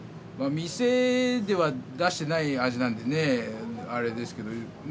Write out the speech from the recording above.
店では出してない味なのであれですけど。